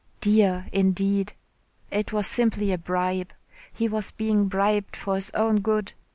"Dear" indeed! It was simply a bribe. He was being bribed for his own good.